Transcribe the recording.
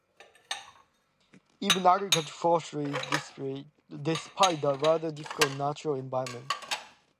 Even agriculture flourishes despite the rather difficult natural environment.